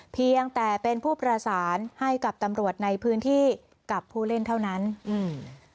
เพียงแต่เป็นผู้ประสานให้กับตำรวจในพื้นที่กับผู้เล่นเท่านั้นอืม